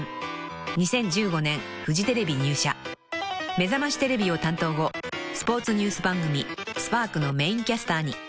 ［『めざましテレビ』を担当後スポーツニュース番組『Ｓ−ＰＡＲＫ』のメインキャスターに］